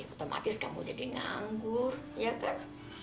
otomatis kamu jadi nganggur ya kan